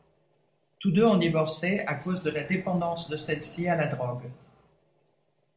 Tous deux ont divorcé à cause de la dépendance de celle-ci à la drogue.